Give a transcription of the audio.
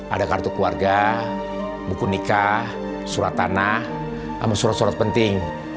ada kartu keluarga buku nikah surat tanah sama surat surat penting